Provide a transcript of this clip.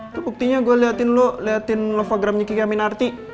itu buktinya gue liatin lo liatin love agram kiki aminarti